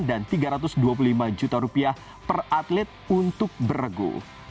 dan rp tiga ratus dua puluh lima juta per atlet untuk berego